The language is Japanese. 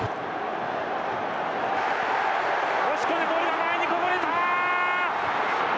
押し込んでボールが前にこぼれた。